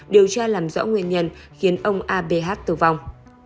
điều tra làm rõ nguyên nhân khiến ông a b h tử vong